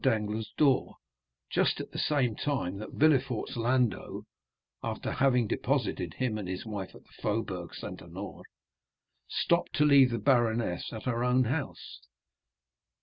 Danglars' door just at the same time that Villefort's landau, after having deposited him and his wife at the Faubourg Saint Honoré, stopped to leave the baroness at her own house.